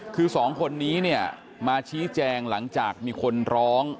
คือ๒คนนี้มาชี้แจงหลังจากมีคนร้อง